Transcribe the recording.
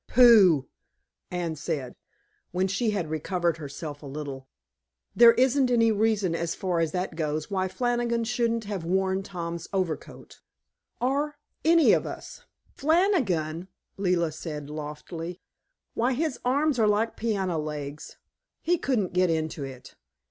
"Pooh!" Anne said, when she had recovered herself a little. "There isn't any reason, as far as that goes, why Flannigan shouldn't have worn Tom's overcoat, or any of the others." "Flannigan!" Leila said loftily. "Why, his arms are like piano legs; he couldn't get into it.